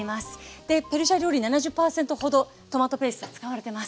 ペルシャ料理７０％ほどトマトペースト使われてます。